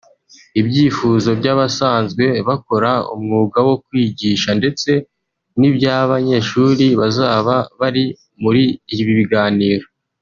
ibyifuzo by’abasanzwe bakora umwuga wo kwigisha ndetse n’iby’abanyeshuri bazaba bari muri ibi biganiro